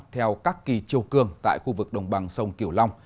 theo các kỳ chiều cường tại khu vực đồng bằng sông kiểu long